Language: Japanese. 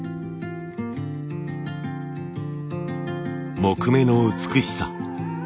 木目の美しさ。